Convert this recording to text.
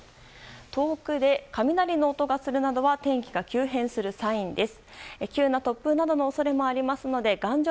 遠くで雷の音がするなどは天気が急変するサインです。